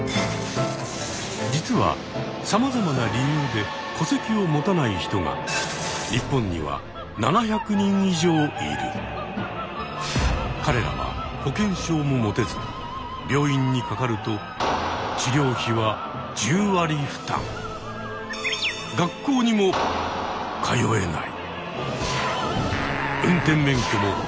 実はさまざまな理由で戸籍を持たない人が日本には彼らは保険証も持てず病院にかかるとも持てない。